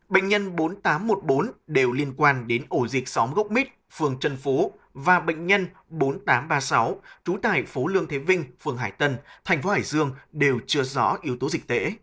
bệnh nhân bốn nghìn bảy trăm một mươi ba bệnh nhân bốn nghìn tám trăm một mươi bốn đều liên quan đến ổ dịch xóm gốc mít phường trân phú và bệnh nhân bốn nghìn tám trăm ba mươi sáu trú tại phố lương thế vinh phường hải tân thành phố hải dương đều chưa rõ yếu tố dịch tễ